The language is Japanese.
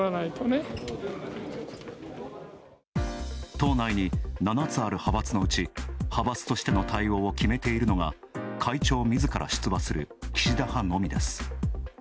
党内に７つある派閥のうち、派閥としての対応を決めているのが会長みずから出馬する岸田派のみです。